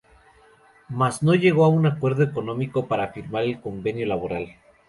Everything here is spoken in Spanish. Mas no llegó a un acuerdo económico para firmar el convenio laboral.